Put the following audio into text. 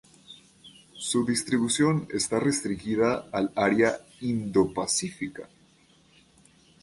Su distribución está restringida al área Indo-Pacífica.